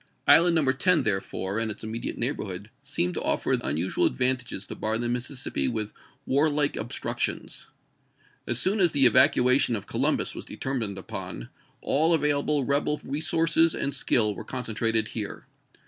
Island No. 10, therefore, and its imme diate neighborhood, seemed to offer unusual ad vantages to bar the Mississippi with warlike obstructions. As soon as the evacuation of Co lumbus was determined upon, all available rebel resources and skill were concentrated here.